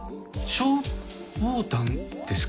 消防団ですか？